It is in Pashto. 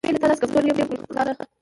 بې له تا داسې کمزوری یم ګلرخساره.